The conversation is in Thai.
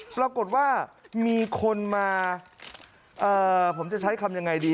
ปรากฏว่ามีคนมาผมจะใช้คำยังไงดี